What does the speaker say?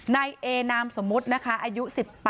นายเอนามสมมุตินะคะอายุ๑๘